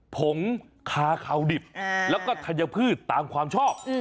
ผงคาเขาดิบแล้วก็ธัญพืชตามความชอบ